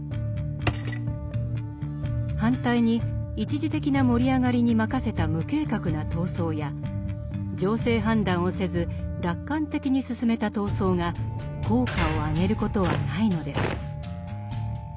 反対に一時的な盛り上がりに任せた無計画な闘争や情勢判断をせず楽観的に進めた闘争が効果を上げることはないのです。